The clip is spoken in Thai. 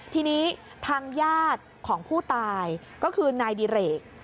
ทีนี้ทางญาติของผู้ตายก็คือนายดิเรก